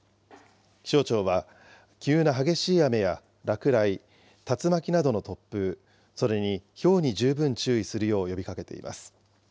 気象庁は、急な激しい雨や落雷、竜巻などの突風、それにひょうに十分注意するよう呼びかけています。